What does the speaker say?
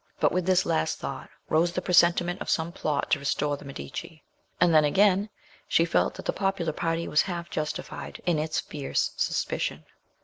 But with this last thought rose the presentiment of some plot to restore the Medici; and then again she felt that the popular party was half justified in its fierce suspicion.